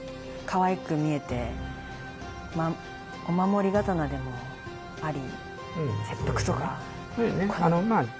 かわいく見えてお守り刀でもあり切腹とか。